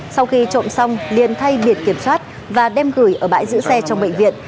sau khi trộm xong liền thay biệt kiểm soát và đem gửi ở bãi giữ xe trong bệnh viện